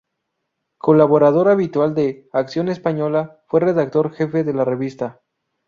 Colaborador habitual de "Acción Española", fue redactor jefe de la revista.